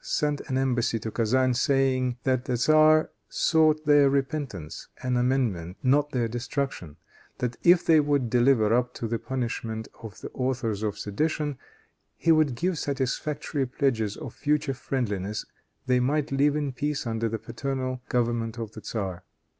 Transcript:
sent an embassy to Kezan, saying that the tzar sought their repentance and amendment, not their destruction; that if they would deliver up to punishment the authors of sedition, and would give satisfactory pledges of future friendliness, they might live in peace under the paternal government of the tzar.